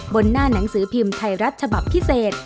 บนหน้าหนังสือพิมพ์ไทยรัฐฉบับพิเศษ